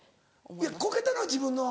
いやコケたのは自分の。